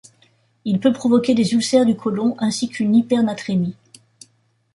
Il peut provoquer des ulcères du côlon ainsi qu'une hypernatrémie.